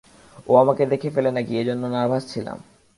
ও আমাকে দেখে ফেলে নাকি এজন্য নার্ভাস ছিলাম।